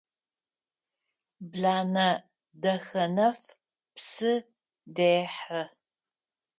Бланэ Дахэнэф псы дехьы.